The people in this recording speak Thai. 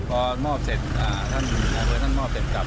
พอมอบเสร็จท่านมอบเสร็จกลับ